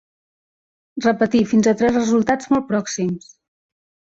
Repetir fins a tres resultats molt pròxims.